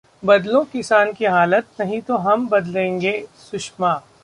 बदलो किसान की हालत, नहीं तो हम बदलेंगे: सुषमा